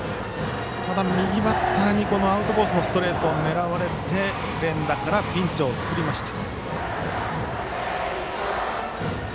ただ右バッターにアウトコースのストレートを狙われて連打からピンチを作りました。